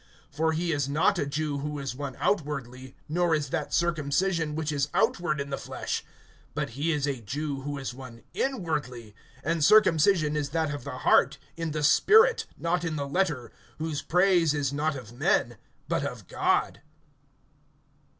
(28)For he is not a Jew, who is one outwardly; nor is that circumcision, which is outward in the flesh. (29)But he is a Jew, who is one inwardly; and circumcision is that of the heart, in the spirit not in the letter; whose praise is not of men, but of God.